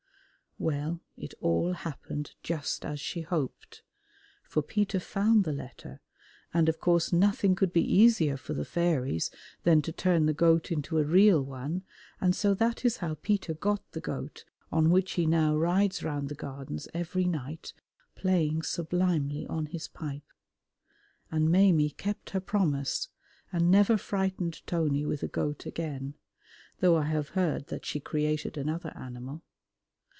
Well, it all happened just as she hoped, for Peter found the letter, and of course nothing could be easier for the fairies than to turn the goat into a real one, and so that is how Peter got the goat on which he now rides round the Gardens every night playing sublimely on his pipe. And Maimie kept her promise and never frightened Tony with a goat again, though I have heard that she created another animal.